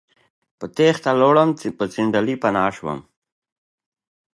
امريکني فلمونو کښې د پښتني کلتور عکس وړومبۍ برخه